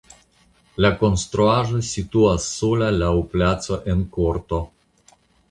La konstruaĵo situas sola laŭ placo en korto.